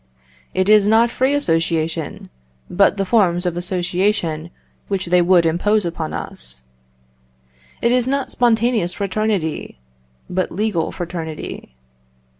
It is not free association, but the forms of association which they would impose upon us. It is not spontaneous fraternity, but legal fraternity.